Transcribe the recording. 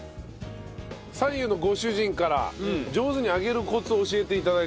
三友のご主人から上手に揚げるコツを教えて頂いております。